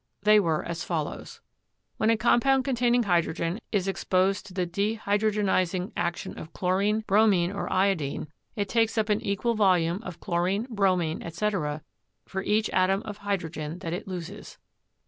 They were as fol lows: "When a compound containing hydrogen is exposed to the dehydrogenizing action of chlorine, bromine, or iodine, it takes up an equal volume of chlorine, bromine, etc., for each atom of hydrogen that it loses.